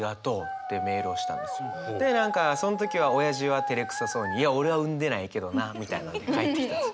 で何かその時はおやじはてれくさそうにいや俺は産んでないけどなみたいなのが返ってきたんですよ。